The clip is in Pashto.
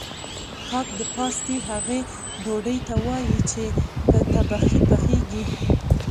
کاک د پاستي هغې ډوډۍ ته وايي چې په تبخي پخیږي